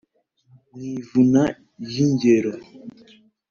Mu ivuna ry’ingerero